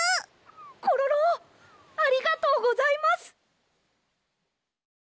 コロロありがとうございます。